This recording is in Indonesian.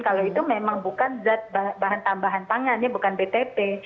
kalau itu memang bukan zat bahan tambahan pangan ya bukan btp